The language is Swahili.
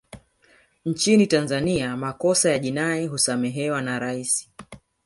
nchini tanzania makosa ya jinai husamehewa na rais